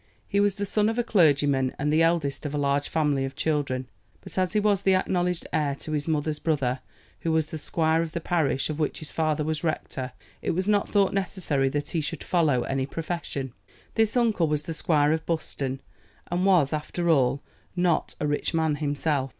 He was the son of a clergyman, and the eldest of a large family of children. But as he was the acknowledged heir to his mother's brother, who was the squire of the parish of which his father was rector, it was not thought necessary that he should follow any profession. This uncle was the Squire of Buston, and was, after all, not a rich man himself.